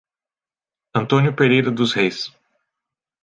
Antônio Pereira dos Reis